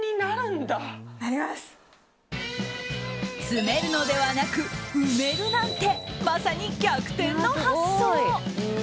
詰めるのではなく埋めるなんてまさに逆転の発想！